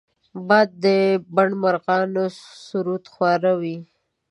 باد د بڼ مرغانو سرود خواره وي